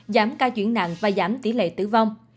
giảm ca chuyển nặng và giảm tỷ lệ tử vong